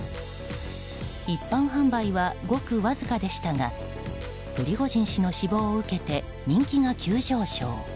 一般販売はごくわずかでしたがプリゴジン氏の死亡を受けて人気が急上昇。